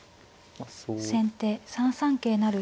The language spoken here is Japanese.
先手３三桂成。